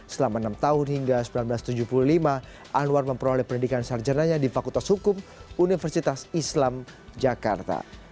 selama enam tahun hingga seribu sembilan ratus tujuh puluh lima anwar memperoleh pendidikan sarjananya di fakultas hukum universitas islam jakarta